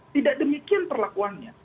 tidak demikian perlakuannya